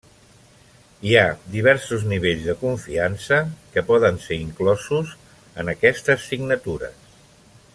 Hi ha diversos nivells de confiança que poden ser inclosos en aquestes signatures.